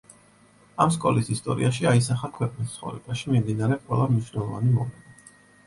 ამ სკოლის ისტორიაში აისახა ქვეყნის ცხოვრებაში მიმდინარე ყველა მნიშვნელოვანი მოვლენა.